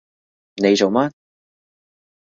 你做乜？